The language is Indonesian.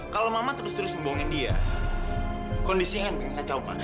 kalau mama terus terus membohongi dia kondisinya akan bikin kacau ma